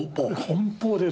奔放です。